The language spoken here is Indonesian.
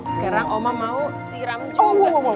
sekarang oma mau siram